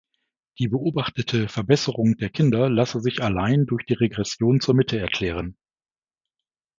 Die beobachtete Verbesserung der Kinder lasse sich allein durch die Regression zur Mitte erklären.